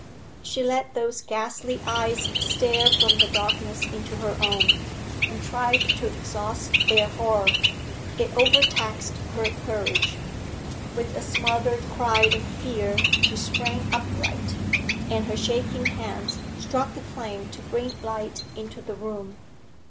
She let those ghastly eyes stare from the darkness into her own, and tried to exhaust their horror. It overtaxed her courage with a smothered cry of fear she sprang upright, and her shaking hands struck a flame to bring light into the room.